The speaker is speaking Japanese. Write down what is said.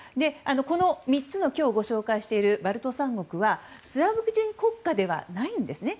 この３つのご紹介しているバルト三国はスラブ人国家ではないんですね。